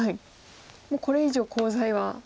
もうこれ以上コウ材は。